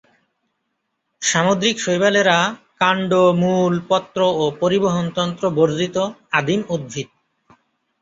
সামুদ্রিক শৈবালেরা কান্ড, মূল, পত্র ও পরিবহণতন্ত্র বর্জিত আদিম উদ্ভিদ।